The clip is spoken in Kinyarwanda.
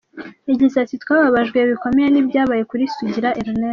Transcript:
Yagize ati "Twababajwe bikomeye n’ibyabaye kuri Sugira Ernest.